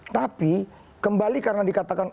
tapi kembali karena dikatakan